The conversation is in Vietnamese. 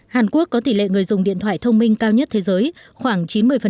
hàn quốc có tỷ lệ người dùng điện thoại thông minh cao nhất thế giới khoảng chín mươi